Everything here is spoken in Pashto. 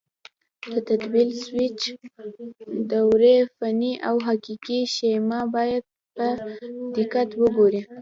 د تبدیل سویچ دورې فني او حقیقي شیما باید په دقت وګورئ.